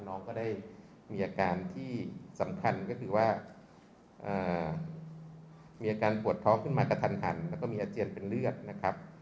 น้องก็ได้มีอาการที่สำคัญก็คือว่ามีอาการปวดท้องขึ้นมากระทันแล้วก็มีอาเจียนเป็นเลือดนะครับ